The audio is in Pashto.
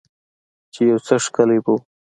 چې يو څه ښکلي به وو.